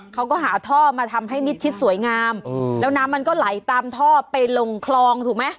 เขาก็หาท่อมาทำให้มิดชิดสวยงามแล้วน้ำมันก็ไหลตามท่อไปลงคลองถูกไหม